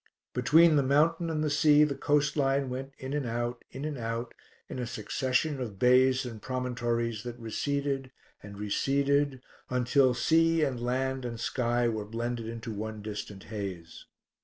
Between the mountain and the sea the coastline went in and out, in and out, in a succession of bays and promontories that receded and receded until sea and land and sky were blended into one distant haze.